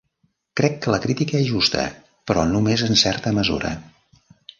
Crec que la crítica és justa, però només en certa mesura.